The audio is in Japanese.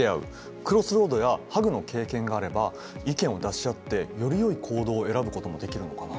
クロスロードやＨＵＧの経験があれば意見を出し合ってよりよい行動を選ぶこともできるのかな。